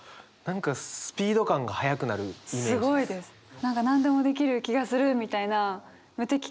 何かなんでもできる気がするみたいな無敵感。